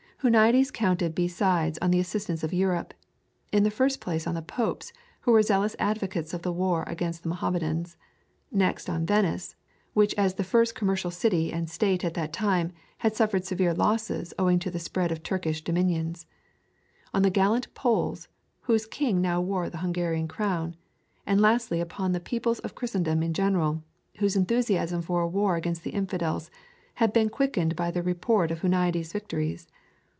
Huniades counted besides on the assistance of Europe; in the first place on the Popes, who were zealous advocates of the war against the Mohammedans; next on Venice, which as the first commercial city and state at that time had suffered severe losses owing to the spread of Turkish dominions; on the gallant Poles whose king now wore the Hungarian crown; and lastly upon the peoples of Christendom in general, whose enthusiasm for a war against the infidels had been quickened by the report of Huniades' victories.